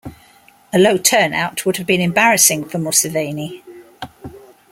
A low turnout would have been embarrassing for Museveni.